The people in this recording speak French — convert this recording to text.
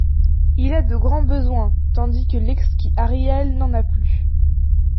Il a de grands besoins, tandis que l'exquis Ariel n'en a plus.